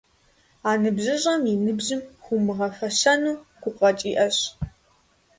А ныбжьыщӀэм и ныбжьым хуумыгъэфэщэну гукъэкӀ иӀэщ.